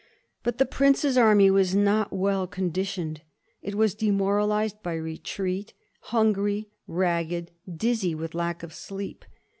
But the prince's army was not well con ditioned ; it was demoralized by retreat, hungry, ragged, dizzy with lack of sleep.